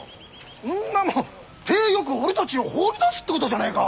んなの体よく俺たちを放り出すってことじゃねえか。